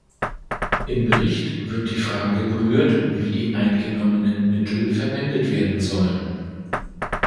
Im Bericht wird die Frage berührt, wie die eingenommenen Mittel verwendet werden sollen.